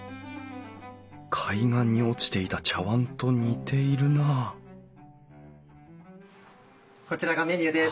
海岸に落ちていた茶わんと似ているなこちらがメニューです。